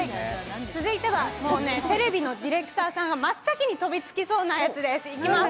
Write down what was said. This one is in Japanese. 続いては、テレビのディレクターさんが真っ先にとびつきそうなやつです。